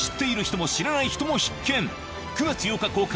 ９月８日公開